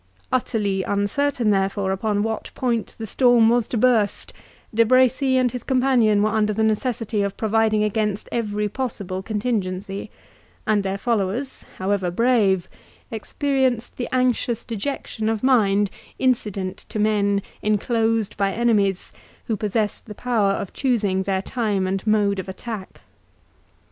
Utterly uncertain, therefore, upon what point the storm was to burst, De Bracy and his companion were under the necessity of providing against every possible contingency, and their followers, however brave, experienced the anxious dejection of mind incident to men enclosed by enemies, who possessed the power of choosing their time and mode of attack.